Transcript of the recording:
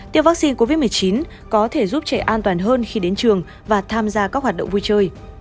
tiêm vaccine covid một mươi chín có thể giúp trẻ an toàn hơn khi đến trường và tham gia các hoạt động vui chơi